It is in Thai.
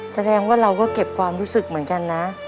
แสดงว่าเราก็เก็บความรู้สึกเหมือนกันนะ